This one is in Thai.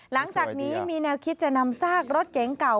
หลังจากนี้มีแนวคิดจะนำซากรถเก๋งเก่า